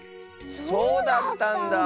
そうだったんだ。